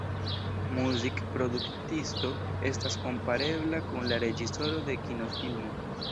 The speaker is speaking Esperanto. Muzikproduktisto estas komparebla kun la reĝisoro de kinofilmo.